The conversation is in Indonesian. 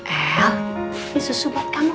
el ini susu buat kamu